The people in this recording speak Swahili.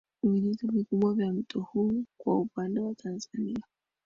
Vijito vikubwa vya mto huu kwa upande wa Tanzania